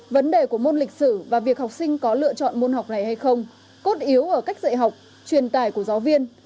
vấn đề của môn lịch sử và việc học sinh có lựa chọn môn học này hay không cốt yếu ở cách dạy học truyền tải của giáo viên